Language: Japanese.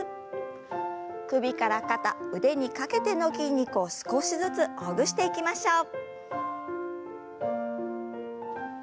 首から肩腕にかけての筋肉を少しずつほぐしていきましょう。